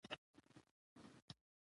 د ابن مسعود رضی الله عنه نه روايت نقل شوی